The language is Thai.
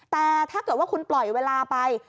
แต่ถ้าเกิดว่าคุณปล่อยเวลาไป